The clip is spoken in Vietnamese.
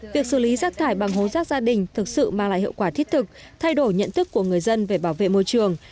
việc xử lý rác thải bằng hố rác gia đình thực sự mang lại hiệu quả thiết thực thay đổi nhận thức của người dân về bảo vệ môi trường